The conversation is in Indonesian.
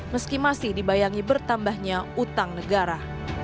meski masih dibayangi bertambahnya utang negara